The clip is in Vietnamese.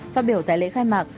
phát biểu tại lễ khai mạc